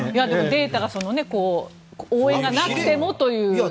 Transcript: データが応援がなくてもという。